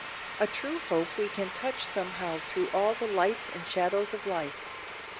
A true hope we can touch somehow through all the lights and shadows of life.